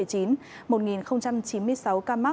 một chín mươi sáu ca mắc